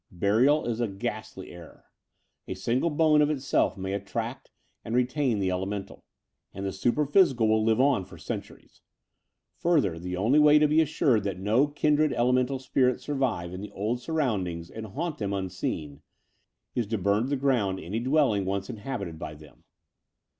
Burial is a ghastly error. A single bone of itself may attract and retain the elemental; and the superphysical will live on for centuries. Further, the only way to be assured that no kin dred elemental spirits survive in the old surround ings and haunt them unseen, is to bum to the ground any dwelling once inhabited by them.